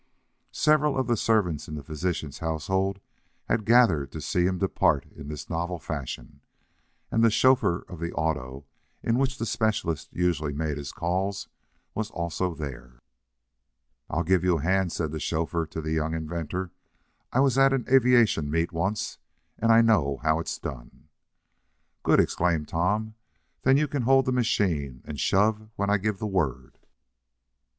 Several servants in the physician's household had gathered to see him depart in this novel fashion, and the chauffeur of the auto, in which the specialist usually made his calls, was also there. "I'll give you a hand," said the chauffeur to the young inventor. "I was at an aviation meet once, and I know how it's done." "Good," exclaimed Tom. "Then you can hold the machine, and shove when I give the word."